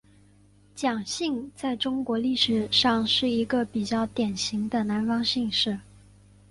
蒋姓在中国历史上是一个比较典型的南方姓氏。